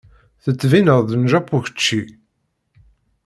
Tettbineḍ-d n Japu kečči.